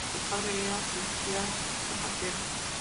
Su padre era oficial zapatero.